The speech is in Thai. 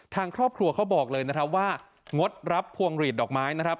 ทางครอบครัวเขาบอกเลยนะครับว่างดรับพวงหลีดดอกไม้นะครับ